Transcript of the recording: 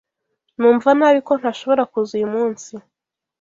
Numva nabi ko ntashobora kuza uyu munsi.